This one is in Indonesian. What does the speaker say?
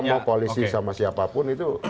mau koalisi sama siapapun itu